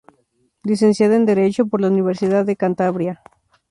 Licenciada en Derecho por la Universidad de Cantabria.